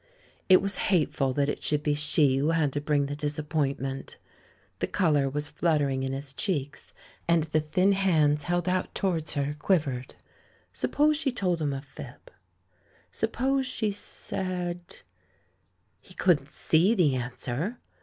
It was hateful that it should be she who had to bring the disappointment! The colour was fluttering in his cheeks, and the thin hands held out towards her quivered. Suppose she told him a fib ? Suppose she said 1 He couldn't see the answer!